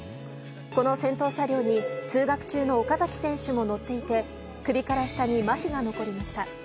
この先頭車両に通学中の岡崎選手も乗っていて首から下にまひが残りました。